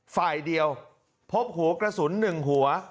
ฝ่ายเดียวพบหัวกระสุน๑หัว